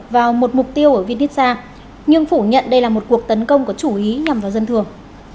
vào một mục tiêu ở vindisha nhưng phủ nhận đây là một cuộc tấn công có chủ ý nhằm vào dân thường